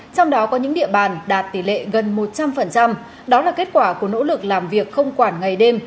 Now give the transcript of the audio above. trong đó có những địa bàn đạt tỷ lệ gần một trăm linh đó là kết quả của nỗ lực làm việc không quản ngày đêm